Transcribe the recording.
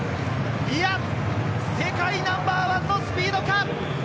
いや、世界ナンバーワンのスピードか？！